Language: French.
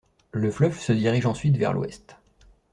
Le fleuve se dirige ensuite vers l’ouest.